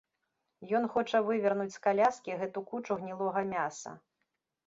Ён хоча вывернуць з каляскі гэту кучу гнілога мяса.